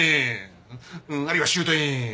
あるいはシュートイン！